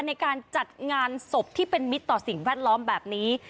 ในการจัดงานศพที่เป็นมิตรต่อสิ่งแวดล้อมแบบนี้